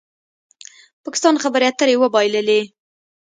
پاکستان خبرې اترې وبایللې